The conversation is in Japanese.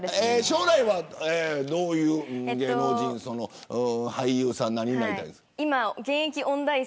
将来はどういう芸能人俳優になりたいですか。